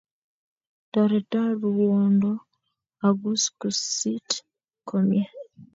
Toreton ruwondo akuskusit komie.